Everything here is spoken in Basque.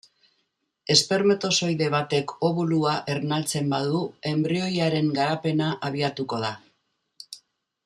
Espermatozoide batek obulua ernaltzen badu enbrioiaren garapena abiatuko da.